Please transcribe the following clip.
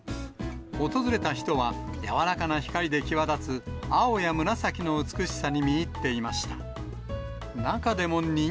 訪れた人は、柔らかな光で際立つ青や紫の美しさに見入っていました。